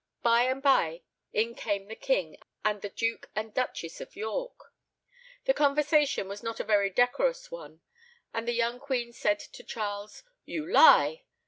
By and by in came the king and the Duke and Duchess of York. The conversation was not a very decorous one; and the young queen said to Charles, "You lie!"